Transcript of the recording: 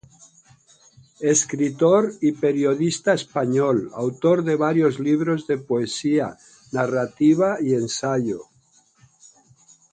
Escritor y periodista español, autor de varios libros de poesía, narrativa y ensayo.